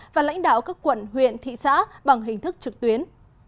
và lãnh đạo các quận huyện thị xã bằng hình thức trực tuyến